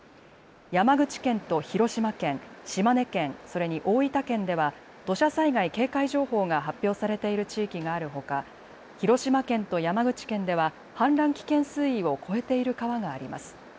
山口県と広島県、島根県、それに大分県では土砂災害警戒情報が発表されている地域があるほか広島県と山口県では氾濫危険水位を超えている川があります。